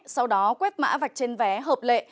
sau đó quét mã vạch trên vé hợp lệ